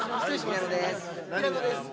平野です。